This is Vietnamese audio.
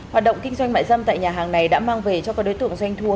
hoạt động kinh doanh mại dâm tại nhà hàng này đã mang về cho các đối tượng doanh thua